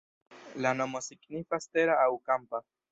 La nomo signifas tera aŭ kampa.